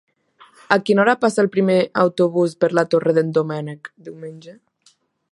A quina hora passa el primer autobús per la Torre d'en Doménec diumenge?